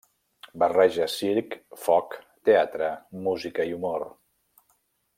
Barreja circ, foc, teatre, música i humor.